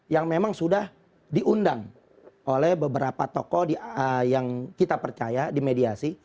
yang memang sudah diundang oleh beberapa tokoh yang kita percaya dimediasi